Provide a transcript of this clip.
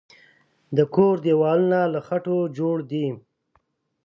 د کور دیوالونه له خټو جوړ دی.